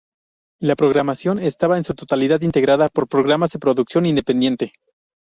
La programación estaba en su totalidad integrada por programas de producción independiente.